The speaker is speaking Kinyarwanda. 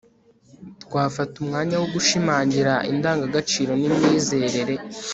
twafata umwanya wo gushimangira indangagaciro nimyizerere